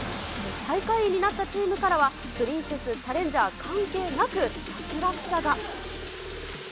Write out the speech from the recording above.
最下位になったチームからは、プリンセス、チャレンジャー、関係なく、脱落者が。